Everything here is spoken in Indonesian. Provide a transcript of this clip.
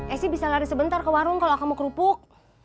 esy bisa lari sebentar ke warung kalau kamu kerupuk